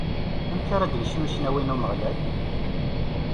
Amek ara d-necnu ccnawi n Umeɣlal?